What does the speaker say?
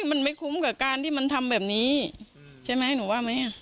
มันไม่คุ้มกับการที่มันทำแบบนี้ใช่ไหมหนูว่าไหม